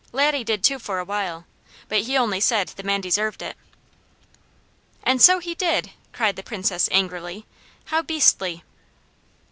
Laddie did too for a while, but he only said the man deserved it." "And so he did!" cried the Princess angrily. "How beastly!"